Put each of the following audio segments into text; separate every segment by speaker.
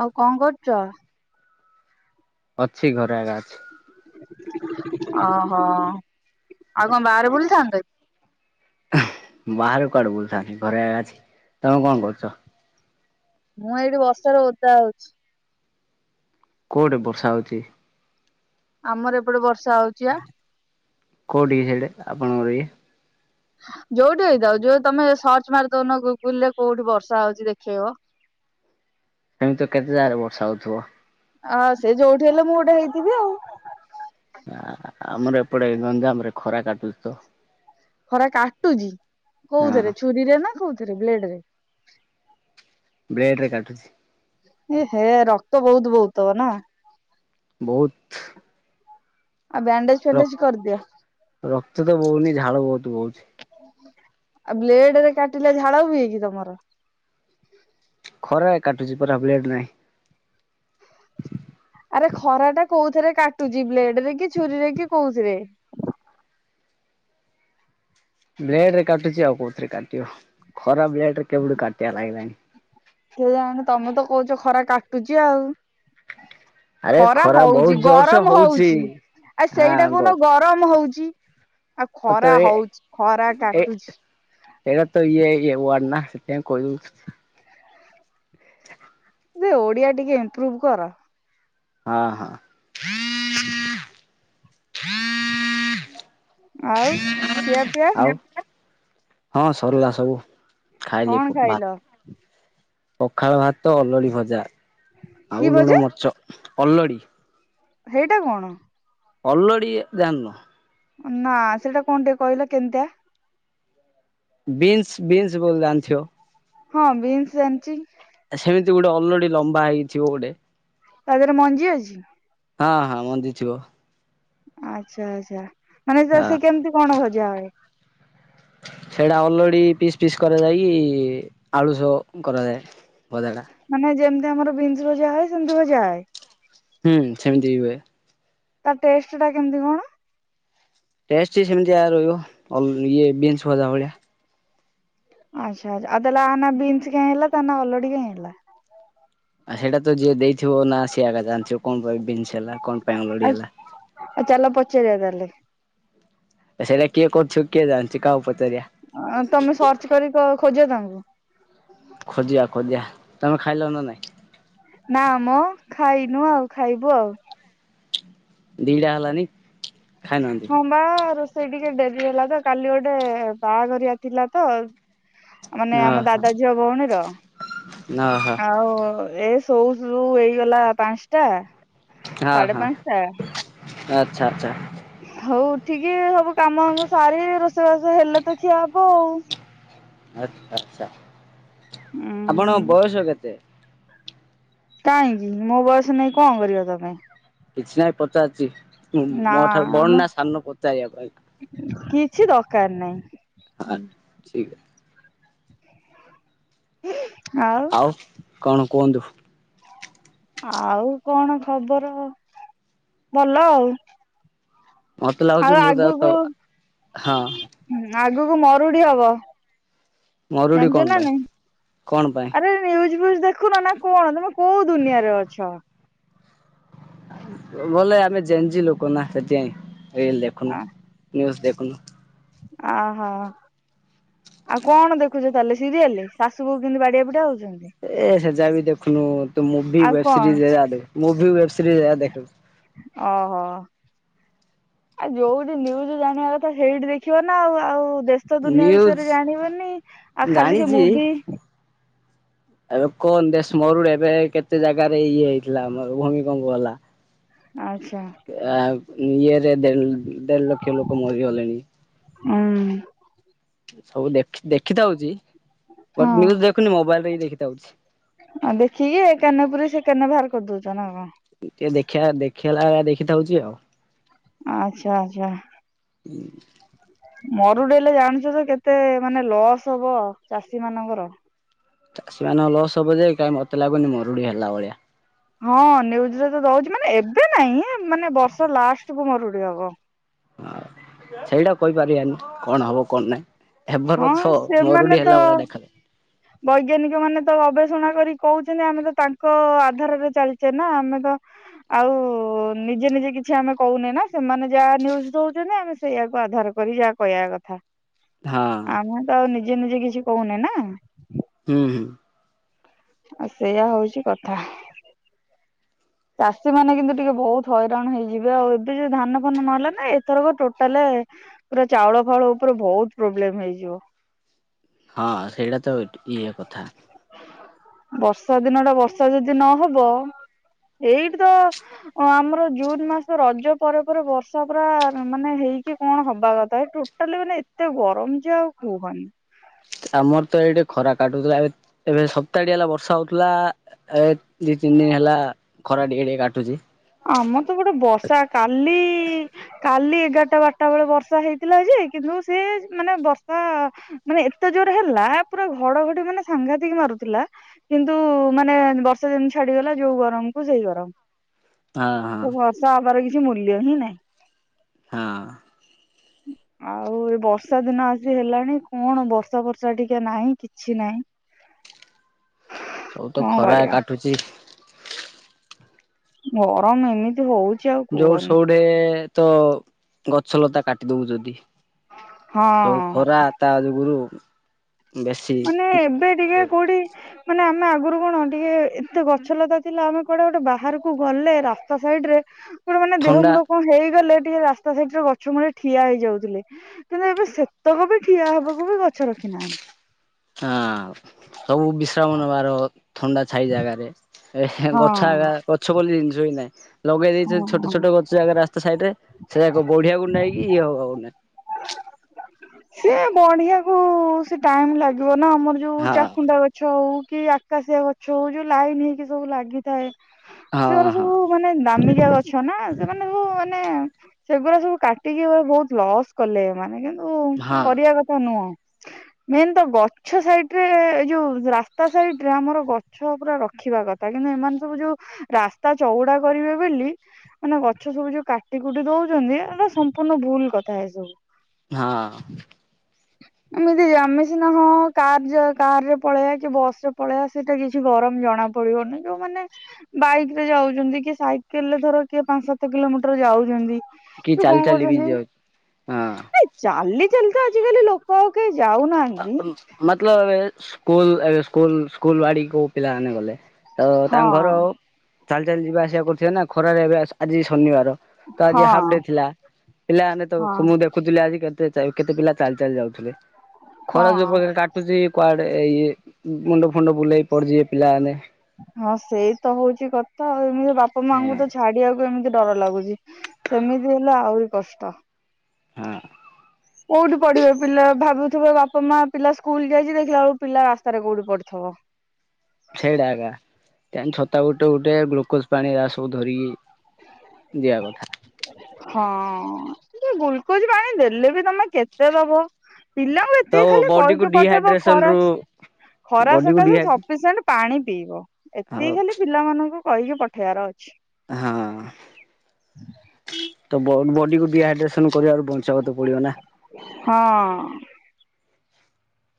Speaker 1: ଆଉ କଣ କରୁଛ?
Speaker 2: ଅଛି ଘରେ ଏକା ଅଛି।
Speaker 1: ଓହୋ ଆଉ କଣ ବାହାରେ ବୁଲିଥାନ୍ତ କି?
Speaker 2: ବାହାରୁ କୁଆଡୁ ବୁଲୁଥାନ୍ତି ଘରେ ଅଛି ତମେ କଣ କରୁଛ?
Speaker 1: ମୁଁ ଏଇଠି ବର୍ଷାରେ ଓଦା ହଉଛି।
Speaker 2: କୋଉଠେ ବର୍ଷା ହଉଛି।
Speaker 1: ଆମର ଏପଟେ ବର୍ଷା ହଉଛି ବା।
Speaker 2: କୋଉଠି କି ସେଇଡ଼ା ଆପଣଙ୍କର ଇଏ?
Speaker 1: ଯୋଉଠି ହେଇଥାଉ ଯୋଉ ତମେ ସର୍ଚ୍ଚ ମାରିଦଉନ ଗୁଗୁଲ ରେ କୋଉଠି ବର୍ଷା ହଉଛି ଦେଖେଇବ।
Speaker 2: ଏମିତି ତ କେତେ ଜାଗାରେ ବର୍ଷା ହଉଥିବ?
Speaker 1: ହଁ ସେ ଯୋଉଠି ହେଲେ ମୁଁ ଗୋଟେ ହେଇଥିବି ଆଉ।
Speaker 2: ଆମର ଏପଟେ ଗଞ୍ଜାମରେ ଖରା କାଟୁଛି ତ।
Speaker 1: ଖରା କାଟୁଚି
Speaker 2: ହଁ
Speaker 1: କୋଉଥିରେ ଛୁରୀରେ ନା କୋଉଥିରେ ବ୍ଲେଡ ରେ।
Speaker 2: ବ୍ଲେଡ ରେ କାଟୁଛି।
Speaker 1: ଏ ହେ ରକ୍ତ ବହୁତ ବହୁ ଥିବ ନା।
Speaker 2: ବହୁତ।
Speaker 1: ଆଉ ବ୍ୟାଣ୍ଡେଜ
Speaker 2: ର
Speaker 1: ଫ୍ୟାଣ୍ଡେଜ କରିଦିଅ।
Speaker 2: ରକ୍ତ ତ ବୋହୁନି ଝାଳ ବହୁତ ବୋହୁଛି।
Speaker 1: ଆଉ ବ୍ଲେଡରେ କାଟିଲା ଝାଳ ହୁଏ କି ତମର?
Speaker 2: ଖରା କାଟୁଛି ପରା ବ୍ଲେଡ୍ ନାହିଁ।
Speaker 1: ଆରେ ଖରାଟା କୋଉଥିରେ କାଟୁଛି ବ୍ଲେଡରେ କି ଛୁରୀରେ କି କୋଉଥିରେ?
Speaker 2: ବ୍ଲେଡ ରେ କାଟୁଛି ଆଉ କୋଉଥିରେ କାଟିବ ଖରା ବ୍ଲେଡରେ କେବେଠୁ କାଟିବା ଲାଗିଲାଣିି?
Speaker 1: କେଜାଣି ତମେ ତ କହୁଛ ଖରା କାଟୁଚି ଆଉ।
Speaker 2: ଆରେ
Speaker 1: ଖରା
Speaker 2: ବହୁତ
Speaker 1: ହଉଛି
Speaker 2: ଜୋରସେ
Speaker 1: ଗରମ ହଉଛି ଆ
Speaker 2: ହଁ
Speaker 1: ସେଇଟା
Speaker 2: ଗ
Speaker 1: କନ ଗରମ ହଉଛି। ଜି
Speaker 2: ତ ଏ ଏ ଏଟ ତ ଇଏ ନା ସେଥିପାଇଁ କହିଲୁ। [inaudible]
Speaker 1: ଯେ ଓଡିଆ ଟିକେ ଇମ୍ପ୍ରୁଭ କର।
Speaker 2: ହଁ ହଁ।
Speaker 1: ଆଉ ଖିଆ ପିଆ
Speaker 2: ଆଉ ହଁ ସରିଲା ସବୁ। ଖାଇଲି
Speaker 1: କଣ
Speaker 2: ଭାତ
Speaker 1: ଖାଇଲ?
Speaker 2: ପଖାଳ ଭାତ ଅଲଡି ଭଜା
Speaker 1: କି
Speaker 2: ଆଉ ଲୁଣ
Speaker 1: ଭଜା
Speaker 2: ମର୍ଚ ଅଲଡ଼ି
Speaker 1: ହେଇଟା କଣ?
Speaker 2: ହଲ୍ଲଡ଼ି ଜାଣିନ?
Speaker 1: ନା ସେଇଟା କଣ ଟିକେ କହିଲ କେମତିଆ?
Speaker 2: ବିନ୍ସ ବିନ୍ସ ବୋଲ ଜାଣିଥିବ?
Speaker 1: ହଁ ବିନ୍ସ ଜାଣିଛି।
Speaker 2: ସେମିତି ଗୋଟେ ଅଲରେଡି ଲମ୍ବା ହେଇଥିବ ଗୋଟେ
Speaker 1: ତା ଦେହରେ ମଞ୍ଜି ଅଛି।
Speaker 2: ହଁ ହଁ ମଞ୍ଜି ଥିବ
Speaker 1: ଆଚ୍ଛା ଆଚ୍ଛା ମାନେ
Speaker 2: ହଁ
Speaker 1: ସେ କେମିତି କଣ ଭଜା ହୁଏ।
Speaker 2: ସେଇଟା ଅଲଡି ପିସ୍ ପିସ୍ କରାଯାଇକି ଆଳୁସ କରାଯାଏ। ଭଜାଟା
Speaker 1: ମାନେ ଯେମିତି ଆମର ବିନ୍ସ ଭଜା ହଏ ସେମତି ଭଜା ହଏ।
Speaker 2: ହୁଁ ସେମିତି ବି ହୁଏ।
Speaker 1: ତା ଟେଷ୍ଟ ଟା କେମିତି କଣ?
Speaker 2: ସେମତି ରହିବ ଇଏ ବିନ୍ସ ଭଜା ଭଳିଆ।
Speaker 1: ଆଛାଛା ଆଦଲ ଆାନ ବୀନ୍ସ କାଇଁ ହେଲା ତାନ ଅଲୁଡିିକ କାଇଁ ହେଲା।
Speaker 2: ଆଉ ସେଇଟା ତ ଯିଏ ଦେଇଥିବ ନା ସିଏ ଆଗା ଜାଣିଥିବ। କଣ ପାଇଁ ବିନସ ପାଇଁ
Speaker 1: ଆଉ
Speaker 2: ଆଲୋଡି ହେଲା।
Speaker 1: ଆଉ ଚାଲ ପଚାରିବା ତାହେଲେ
Speaker 2: ସେଇଟା କିଏ କରୁଛୁ କିଏ ଜାଣିଛି କାହାକୁ ପଚାରିବା
Speaker 1: ତମେ ସର୍ଚ କରି ଖୋଜ ତାଙ୍କୁ।
Speaker 2: ଖୋଜିବା ଖୋଜିବା ତମେ ଖାଇଲ ନା ନାଇଁ।
Speaker 1: ନା ମ ଖାଇନୁ ଆଉ ଖାଇବୁ ଆଉ।
Speaker 2: ଦିଇଟା ହେଲାନି। ଖାଇନାହାନ୍ତି
Speaker 1: ହବା ରୋଷେଇ ସେ ଟିକେ ଡେରି ହେଲା ତ କାଲି ଗୋଟେ ବାହାଘରିଆ ଥିଲା ତ ମାନେ ଆମ ଦାଦା
Speaker 2: ଓହୋ
Speaker 1: ଝିଅ ଭଉଣୀର
Speaker 2: ଓହୋ
Speaker 1: ଆଉ ଏ ସୋଉ ସୋଉ ହେଇଗଲା ପାଞ୍ଚଟା
Speaker 2: ହଁ
Speaker 1: ସାଢେ଼
Speaker 2: ହଁ
Speaker 1: ପାଞ୍ଚଟା।
Speaker 2: ଆଚ୍ଛା ଆଚ୍ଛା।
Speaker 1: ହଉ ଉଠିକି ସବୁ କାମ ଦାମ ସାରି ରୋଷେଇବାସ ହେଲେ ତ ଖିଆ ହବ ଆଉ।
Speaker 2: ଆଚ୍ଛା ଆଚ୍ଛା। ଆପଣଙ୍କ
Speaker 1: ଉୁଁ
Speaker 2: ବୟସ କେତେ?
Speaker 1: କାହିଁକି ମୋ ବୟସ ନେଇକି କଣ କରିବ ତମେ।
Speaker 2: କିଛି ନାଇଁ ପଚାରୁଛି।
Speaker 1: ନା
Speaker 2: ମୋଠାରୁ ବଡ଼
Speaker 1: ମୁଁ
Speaker 2: ନା ସାନ ପଚାରିବା ପାଇଁ।
Speaker 1: କିଛି ଦରକାର ନାହିଁ
Speaker 2: ଆ ଠିକ୍ ଅଛି।
Speaker 1: ଆଉ
Speaker 2: କଣ କୁହନ୍ତୁ।
Speaker 1: ଆଉ କଣ ଖବର ଭଲ ଆଉ।
Speaker 2: ମତେ
Speaker 1: ଆଉ
Speaker 2: ଲାଗୁଛି ମୁଁ ତା ତ
Speaker 1: ଆଗକୁ
Speaker 2: ହଁ
Speaker 1: ଆଗକୁ ମରୁଡି ହବ।
Speaker 2: ମରୁଡି କଣ
Speaker 1: ଜାଣିଚ ନା
Speaker 2: ପାଇଁ
Speaker 1: ନାହିଁ।
Speaker 2: କଣ ପାଇଁ?
Speaker 1: ଆରେ ନିୟୁଜ ଫିୟୁଜ ଦେଖୁନ ନା କଣ ତମେ କୋଉଁ ଦୁନିଆରେ ଅଛ।
Speaker 2: ବୋଲେ ଆମେ ଯେଞ୍ଜି ଲୋକ ନା ସେଥିପାଇଁ। ରୀଲ ଦେଖୁନୁ ନ୍ୟୁଜ ଦେଖୁନୁ।
Speaker 1: ଆ ହା। ଆଉ କଣ ଦେଖୁଛ ତାହେଲେ ସିରିଏଲ୍ ଶାଶୁ ବୋହୂ କେମିତି ବାଡ଼ିଆ ପିଟା ହଉଛି।
Speaker 2: ଏ ସେ ଯା ବି ଦେଖୁନୁ ତୁ ମୁ ଭି
Speaker 1: ଆଉ
Speaker 2: ଓବ୍
Speaker 1: କଣ
Speaker 2: ସିରିଜ ଯା ଦେଖୁଚୁ। ମୁ ଭି ଓବସିରିଜ ଯା ଦେଖୁ।
Speaker 1: ଓହୋ। ଆଉ ଯୋଉଁଠି ନିୁୟୁଜ ଜାଣିବା କଥା ସେଇଠି ଦେଖିବ ନା ଆଉ ଆଉ ଦେଶ ଦୁନିଆ
Speaker 2: ନ୍ୟୁଜ୍
Speaker 1: ବିଷୟରେ ଜାଣିବେନି ଆଉ ଖାଲି ସେ
Speaker 2: ଜାଣିଛି
Speaker 1: ମୁଭି
Speaker 2: ଏବେ କଣ ଦେଶ ମରୁଡ଼ି ଏବେ ହେଇ କେତେ ଜାଗାରେ ଇଏ ହେଇଥିଲା ଆମର ଭୂମିକମ୍ପ ହେଲା।
Speaker 1: ଆଚ୍ଛା
Speaker 2: ଆ ଇଏରେ ଦେଢ ଦେଢ଼ ଲକ୍ଷ ଲୋକ ମରିଗଲେଣି।
Speaker 1: ହୁଁ।
Speaker 2: ସବୁ ଦେଖ ଦେଖିତ ହଉଛି ବଟ୍ ନିୟୁଜ ଦେଖୁନି ମୋବାଇଲ୍ ରେ ବି ଦେଖିତେ ହଉଛି।
Speaker 1: ଆଉ ଦେଖିକି ଏ କାନରେ ପୂରେଇକି ସେ କାନ ରେ ବାହାର କରିଦଉଛ ନା ଆଣ
Speaker 2: ଟିକେ ଦେଖିବା ଦେଖିହେଲା ଭଳି ଦେଖିତ ହଉଛି ଆଉ।
Speaker 1: ଆଛା ଆଛା ମୋ। ମରୁଡ଼ି ହେଲେ ଜାଣିଛ ତ କେତେ ମାନେ ଲସ୍ ହବ ଚାଷୀ ମାନଙ୍କର।
Speaker 2: ଚାଷୀ ମାନଙ୍କ ଲସ୍ ହବ ଯେ କାହିଁ ମୋତେ ଲାଗୁନି ମରୁଡ଼ି ହେଲା ଭଳିଆ।
Speaker 1: ହଁ ନିୁୟୁଜ ରେ ତ ଦଉଛି ମାନେ ଏବେ ନାଇହିଁ ମାନେ ବର୍ଷ ଲାଷ୍ଟୁକୁ ମରୁଡି ହବ।
Speaker 2: ହଁ ସେଇଟା କହିପାରିବାନି କଣ ହବ କଣ ନାଇଁ।
Speaker 1: ହଁ ସେମାନେ ତ
Speaker 2: ଦେଖାଯାଏ।
Speaker 1: ବୈଜ୍ଞାନିକ ମାନେ ତ ଅବ ଗବେଷଣା କରି କହୁଛନ୍ତି। ଆମେ ତ ତାଙ୍କ ଆଧାରରେ ଚାଲିଛେ ନା ଆମେ ତ ଆଉ ନିଜେ ନିଜେ କିଛି ଆମେ କହୁନେ ନା ସେମାନେ ଯାହା ନିୟୁଜ ଦଉଛନ୍ତି। ଆମେ ସେଇଆକୁ ଆଧାର କରି ଯାହା କହିବା କଥା।
Speaker 2: ହଁ
Speaker 1: ଆମେ ତ ଆଉ ନିଜେ ନିଜେ କିଛି କହୁନେ ନା।
Speaker 2: ହୁଁ ହୁଁ।
Speaker 1: ଆଉ ସେଇୟା ହଉଛି କଥା।
Speaker 2: ହ।
Speaker 1: ଚାଷୀ ମାନେ କିନ୍ତୁ ଟିକେ ବହୁତ ହଇରାଣ ହେଇଯିବେ। ଆଉ ଏବେ ଯୋଉଁ ଧାନ ଫାନ ନହଲେ ନା ଏଥରକ ଟୋଟାଲ ପୁରା ଚାଉଳ ଫାଉଳ ଉପରେ ବହୁତ ପ୍ରୋବ୍ଲେମ ହେଇଯିବ।
Speaker 2: ହଁ ସେଇଟା ତ ଇଏ କଥା
Speaker 1: ବର୍ଷା ଦିନ ଟା ବର୍ଷା ଯଦି ନହବ ଏଇଠି ତ ଆମର ଜୁନ୍ ମାସ ରଜ ପରେ ପରେ ବର୍ଷା ପୁରା ମାନେ କି କଣ ହବା କଥା ଏ ଟୋଟାଲି ମାନେ ଏତେ ଗରମ ଯେ ଆଉ କୁହନି
Speaker 2: ଆମର ତ ଏଇଠେ ଖରା କାଟୁଥିଲା। ଏବେ ଏବେ ସପ୍ତାହ ଟେ ହେଲା ବର୍ଷା ହଉଥିଲା ଏ ତିନି ଦିନ ହେଲା ଖରା ଟିକେ ଟିକେ କାଟୁଛି।
Speaker 1: ଆମ ତ ଗୋଟେ ବର୍ଷା କାଲି କାଲି ଏଗାରଟା ବାରଟା ବେଳେ ବର୍ଷା ହେଇଥିଲା। ଯେ କିନ୍ତୁ ସେ ମାନେ ବର୍ଷା ମାନେ ଏତେ ଯୋଉଁ ହେଲା ପୁରା ଘଡ଼ଘଡ଼ି ମାନେ ସାଂଘାତିକ ମାରୁଥିଲା। କିନ୍ତୁ ମାନେ ବର୍ଷା ଯେମିତି ଛାଡ଼ିଗଲା ଯୋଉଁ ଗରମ କୁ ସେଇ ଗରମ।
Speaker 2: ହ।
Speaker 1: ବର୍ଷା ହେବାର କିଛି ମୂଲ୍ୟ ହିଁ ନାଇଁ।
Speaker 2: ହଁ।
Speaker 1: ଆଉ ଏ ବର୍ଷା ଦିନ ଆସି ହେଲାଣି କଣ ବର୍ଷା ଫର୍ଷା ଟିକେ ନାହିଁ କିଛି ନାହିଁ।
Speaker 2: ସବୁ ତ
Speaker 1: କଣ
Speaker 2: ଖରା
Speaker 1: କରିବା
Speaker 2: କାଟୁଚି
Speaker 1: ଗରମ ଏମିତି ହଉଛି ଆଉ
Speaker 2: ଯୋଉଁଠେ
Speaker 1: କୁହନି
Speaker 2: ସେଇଠି ତ ଗଛ ଲତା କାଟି ଦଉଛନ୍ତି ସବୁ
Speaker 1: ହଁ।
Speaker 2: ଖରା ତା ଯୋଗୁଁ ରୁ
Speaker 1: ମାନେ ଏବେ ଟିକେ କୋଉଁଠି ମାନେ ଆମେ ଆଗରୁ କଣ ଟିକେ ଏତେ ଗଛ ଲତା ଥିଲା। ଆମେ କୁଆଡ଼େ ଗୋଟେ ବାହାରକୁ ଗଲେ ରାସ୍ତା ସାଇଡ ରେ [unintelligible]
Speaker 2: ଥଣ୍ଡା
Speaker 1: ଦେହମୁଣ୍ଡ କଣ ହେଇଗଲେ ଟିକେ ରାସ୍ତା ସାଇଡରେ ଗଛ ମୂଳେ ଠିଆ ହେଇଯାଉଥିଲେ କିନ୍ତୁ ଏବେ ସେତକ ବି ଠିଆ ହେବାକୁ ବି ଗଛ ନାହାଁନ୍ତି।
Speaker 2: ହଁ ସବୁ ବିଶ୍ରାମ ନେବାର ଥଣ୍ଡା ଛାଇ ଜାଗାରେ ଏ
Speaker 1: ହଁ
Speaker 2: ଗଛ ଆକା ଗଛ ବୋଲି ଜିନିଷ ହିଁ ନାଇଁ। ଲଗେଇ ଦେଇଛନ୍ତି ଛୋଟ
Speaker 1: ହଁ
Speaker 2: ଛୋଟ ଗଛ ଜାଗା ରାସ୍ତା ସାଇଡ଼ ରେ ସେଜାକ ବଢ଼ିବାକୁ ନାହିଁ କି ଇଏ ହେବାକୁ ନାହିଁ। ଠିକ୍।
Speaker 1: ସେ ବଢ଼ିବାକୁ ସେ ଟାଇମ ଲାଗିବ ନା ଆମର ଯୋଉ
Speaker 2: ହଁ
Speaker 1: ଚାଖୁଣ୍ଡା ଗଛ ହଉ କି ଆକାଶିଆ ଗଛ ହଉ ଯୋଉ ଲାଇନ ହେଇକି ସବୁ ଲାଗିଥାଏ
Speaker 2: ହଁ
Speaker 1: ସେଗୁରା
Speaker 2: ହଁ।
Speaker 1: ସବୁ ମାନେ ଦାମିକିଆ ଗଛ ନା ସେମାନେ ସବୁ ମାନେ ସେଗୁଡ଼ା ସବୁ କାଟିକି ବହୁତ ଲସ୍ କଲେ ଏ ତ କରିବା କଥା ନୁହଁ।
Speaker 2: ହଁ।
Speaker 1: ମେନ୍ ତ ଗଛ ସାଇଡ଼ ରେ ଏଇ ଯୋଉ ରାସ୍ତା ସାଇଡ଼ରେ ଆମର ଗଛ ପୁରା ରଖିବା କଥା ଏମାନେ ସବୁ ଯୋଉ ରାସ୍ତା ଚଉଡ଼ା କରିବେ ବୋଲି ମାନେ ଗଛ ସବୁ ଯୋଉ କାଟି କୁଟି ଦଉଛନ୍ତି ଏଟା ସମ୍ପୂର୍ଣ୍ଣ ଭୁଲ କଥା ଏସବୁ।
Speaker 2: ହଁ।
Speaker 1: ଏମିତି ଆମେ ସିନା ହଁ କାର-କାର ରେ ପଳେଇବା କି ବସ ରେ ପଳେଇବା ସେଇଟା କିଛି ଗରମ ଜଣା ପଡ଼େ ପଡ଼ିବନି ଯୋଉମାନେ ବାଇକ ରେ ଯାଉଛନ୍ତି କି ସାଇକେଲ ରେ ଧର କିଏ ପାଞ୍ଚ ସାତ କିଲୋମିଟର ଯାଉଛନ୍ତି।
Speaker 2: କି
Speaker 1: ତ
Speaker 2: ଚାଲି
Speaker 1: କଣ
Speaker 2: ଚାଲି ବି
Speaker 1: କରୁଛନ୍ତି
Speaker 2: ଯାଉଛି ହଁ।
Speaker 1: ଏ ଚାଲି ଚାଲି ତ ଆଜିକାଲି ଲୋକ ଆଉ କେହି ଯାଉନାହାନ୍ତି
Speaker 2: ମତଲବ ଏ ସ୍କୁଲ ଏ ସ୍କୁଲ ସ୍କୁଲ ବାଡ଼ିକୁ ପିଲା ମନେ ଗଲେ ତ ତାଙ୍କ ଘର
Speaker 1: ହଁ
Speaker 2: ଚାଲି ଚାଲି ଯିବା ଆସିବା କରୁଥିବେ ନା ଖରାରେ ଏବେ ଆଜି ଶନିବାର ତ
Speaker 1: ହଁ
Speaker 2: ଆଜି ହାଫ ଡେ ଥିଲା ପିଲାମାନେ ତ
Speaker 1: ହଁ
Speaker 2: ମୁଁ ଦେଖୁଥିଲି ଆଜି କେତେ କେତେ ପିଲା ଚାଲି ଚାଲି ଯାଉଥିଲେ ଖରା ଯୋଉ
Speaker 1: ହଁ
Speaker 2: ପ୍ରକାର କାଟୁଛି କୁଆଡେ ଇଏ ମୁଣ୍ଡ ଫୁଣ୍ଡ ବୁଲେଇ ପଡ଼ିଯିବେ ପିଲାମାନେ।
Speaker 1: ହଁ ସେଇ ତ ହଉଛି କଥା ଆଉ ଏମିତି ବାପା ମାଙ୍କୁ
Speaker 2: ହଁ
Speaker 1: ତ ଛାଡିବାକୁ ଏମିତି ଡ଼ର ଲାଗୁଛି ସେମିତି ହେଲେ ଆହୁରି କଷ୍ଟ।
Speaker 2: ହଁ
Speaker 1: କୋଉଠି ପଢିବେ ପିଲା ଭାବୁଥିବେ ବାପ ମା ପିଲା ସ୍କୁଲ ଯାଇଚି ଦେଖିଲା ବେଳକୁ ପିଲା ରାସ୍ତାରେ କୋଉଠି ପଡ଼ିଥିବ।
Speaker 2: [inaudible] ଛେଡ଼ାକା ଏକା ଏନ୍ ଛତା ଗୁଟେ ଗୋଟେ ଗ୍ଲୁକୋଜ ପାଣି ଏରା ସବୁ ଧରିକି ଦିଆ କଥା
Speaker 1: ହଁ ଗୁଲକୋଜ ପାଣି ଦେଲେବି ତମେ କେତେ ଦବ ପିଲାଙ୍କୁ
Speaker 2: ତ
Speaker 1: ଏତିକି ଖାଲି
Speaker 2: ବଡିକୁ
Speaker 1: କହିକି ପଠେଇବ
Speaker 2: ଡିହାଇଡ୍ରେସନ
Speaker 1: ଖରା
Speaker 2: ରୁ
Speaker 1: ଖରା
Speaker 2: ବଡିକୁ
Speaker 1: ସକାଶେ
Speaker 2: ଡିହାଇ
Speaker 1: ସପିସେଏଣ୍ଟ ପାଣି ପିଇବ ଏତିକି
Speaker 2: ହଁ
Speaker 1: ଖାଲି ପିଲାମାନଙ୍କୁ କହିକି ପଠେଇବାର ଅଛି।
Speaker 2: ହଁ।
Speaker 1: [unintelligible]
Speaker 2: ବିହାଇଡ୍ରେସନ କରିବାରୁ ବଞ୍ଚେଇବାକୁ ତ ପଡ଼ିବ ନା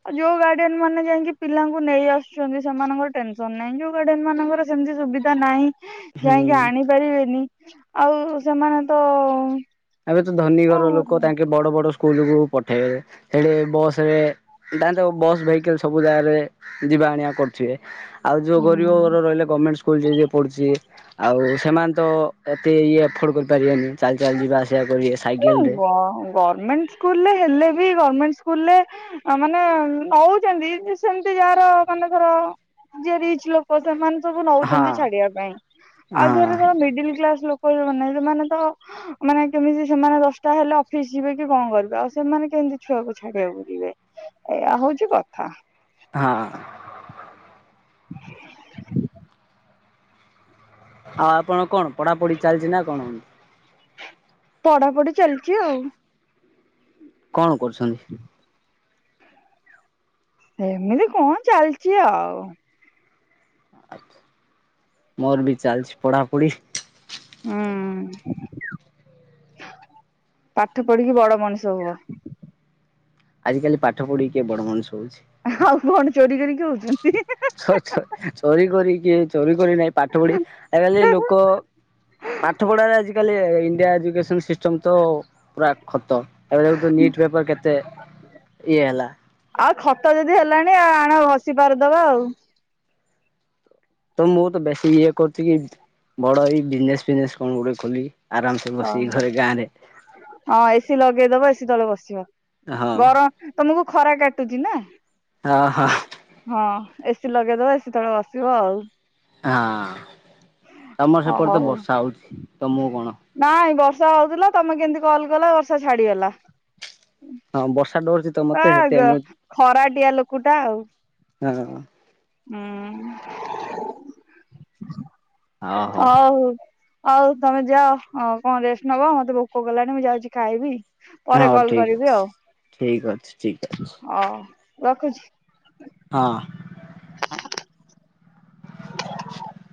Speaker 1: ଆଉ ଯୋଉ ଗାର୍ଡିଆନ ମାନେ ଯାଇକି ପିଲାଙ୍କୁ ନେଇ ଆସୁଛନ୍ତି ସେମାନଙ୍କର ଟେନସନ୍ ନାହିଁ ଯୋଉ ଗାର୍ଡିଆନ ମାନଙ୍କର ଶି ସୁବିଧା ନାହିଁ ଯାଇକି
Speaker 2: ହୁଁ
Speaker 1: ଆଣି ପାରିବେନି ଆଉ ସେମାନେ ତ
Speaker 2: ଏବେ ତ ଧନୀ
Speaker 1: କଣ
Speaker 2: ଘର ଲୋକ
Speaker 1: କରିବେ?
Speaker 2: ତାଙ୍କେ ବଡ଼ ବଡ଼ ସ୍କୁଲକୁୁ ପଠେଇବେ ହେଲେ ବସେ ରେ ତା ତ ବସ୍ ଭେକେଲ ସବୁ ଜାଗାରେ ଯିବା ଆଣିବା କରୁଚେ ଆଉ ଯୋଉ ଗରିବ
Speaker 1: ହୁଁ।
Speaker 2: ଘର ରହିଲେ ଗଭର୍ଣମେଣ୍ଟ ସ୍କୁଲ ଯିଏ ଯିଏ ପଢୁଛି ଆଉ ସେମାନେ ତ ଏତେ ଇଏ ଏଫୋର୍ଡ କରିପାରିବାନି ଚାଲି ଚାଲି ଯିବା ଆସ୍
Speaker 1: ଗଭର୍ଣମେଣ୍ଟ ସ୍କୁଲରେ ହେଲେବି ଗର୍ମେଣ୍ଟ ସ୍କୁଲରେ ମାନେ ନଉଚନ୍ତି ସେମିତି ଯାହାର ମାନେକର ଯିଏ ରିଚ୍ ଲୋକ ସେମାନେ ସବୁ
Speaker 2: ହଁ
Speaker 1: ନଉଛନ୍ତି ଛାଡ଼ିବା ପାଇଁ ଆଉ
Speaker 2: ହଁ
Speaker 1: ଧର ଧର ମିଡିଲ କ୍ଲାସ ଲୋକ କୋଲ୍ ମାନେ ସେମାନେ ତ ମାନେ କେମିତି ସେମାନେ ଦଶଟା ହେଲେ ଅଫିସ୍ ଯିବେ କି କଣ କରିବେ ଆଉ ସେମାନେ କାହିଁକି ଛୁଆକୁ ଛାଡ଼ିବାକୁ ଯିବେ ଏଇଆ ହୋଉଚି କଥା।
Speaker 2: ହଁ।
Speaker 1: [unintelligible]
Speaker 2: ହ ଆପଣ କଣ ପଢାପଢି ଚାଲିଚି ନା କଣ?
Speaker 1: ପଢାପଢି ଚାଲିଚି ଆଉ।
Speaker 2: କଣ କରୁଛନ୍ତି?
Speaker 1: ସେମିତି କଣ ଚାଲଚି ଆଉ।
Speaker 2: ମୋର ବି ଚାଲିଚି ପଢାପଢି।
Speaker 1: ହୁଁ। ପାଠ ପଢିକି ବଡ଼ ମଣିଷ ହୁଅ।
Speaker 2: ଆଜିିକାଲି ପାଠ ପଢିକି କିଏ ବଡ଼ ମଣିଷ ହଉଛି।
Speaker 1: ଆଉ କଣ ଚୋରି କରିକି ହଉଛନ୍ତି।
Speaker 2: ଚୋ ଚୋ ଚୋରି କରି କିଏ ଚୋରି କରି ନାହିଁ ପାଠ ପଢି ଆଜି କାଲି ଲୋକ ପାଠ ପଢାରେ ଆଜି ଆଜି କାଲି ଇଣ୍ଡିଆ ଏଜୁ କେଶନ ସିଷ୍ଟମ୍ ତ ପୁରା ଖତ ଏବେ ଦେଖୁ ଥିବେ ନିଟ୍ ପେପର୍ କେତେ ଇଏ ହେଲା
Speaker 1: ଆଉ ଖତ ଯଦି ହେଲାଣି ଆଣ ଘଷି ପାରିଦବା ଆଉ।
Speaker 2: ତ ମୁଁ ତ ବେଶୀ ଇଏ କରୁଚି କି ବଡ଼ ହେଇ ବିଜନେସ ଫିଜନେସ କଣ ଗୋଟେ ଖୋଲିବି
Speaker 1: ଓହୋ ହଁ ଏସିି ଲଗେଇଦବ ଏସିି ତଳେ ବସ ସିବ
Speaker 2: ହଁ।
Speaker 1: ଗରମ ତମକୁ ଖରା କାଟୁଛି ନାଁ।
Speaker 2: ହଁ ହ।
Speaker 1: ଏସିି ଲଗେଇଦବ ଏସିି ତଳେ ବସିବ ଆଉ।
Speaker 2: ହଁ ତମ
Speaker 1: ଓ
Speaker 2: ସେପଟେ ତ
Speaker 1: ହଉ।
Speaker 2: ବର୍ଷା ହଉଛି ତମକୁ କଣ?
Speaker 1: ନାଇଁ ବର୍ଷା ହଉଥିଲା ତମେ କେମିତି କଲ୍ କଲ ବର୍ଷା ଛାଡ଼ିଗଲା।
Speaker 2: ଆଉ ବସ୍
Speaker 1: ଆଗ ଖରାଟିଆ ଲୋକୁଟା ଆଉ।
Speaker 2: [unintelligible]
Speaker 1: ହୁଁ
Speaker 2: ହଁ ହଉ।
Speaker 1: ଅଉ ଆଉ ତମେ ଯାଅ ଅ କଣ ରେଷ୍ଟ ନବ ମତେ ଭୋକ କଲାଣି ମୁଁ ଯାଉଛି ଖାଇବି ପରେ
Speaker 2: ହଉ
Speaker 1: କଲ
Speaker 2: ଠିକ
Speaker 1: କରିବି
Speaker 2: ଅଛି
Speaker 1: ଆଉ
Speaker 2: ଠିକ ଅଛି ଠିକ ଅଛି
Speaker 1: ହଉ ରଖୁଛି
Speaker 2: ହଁ।
Speaker 1: ହ [inaudible]
Speaker 2: [inaudible]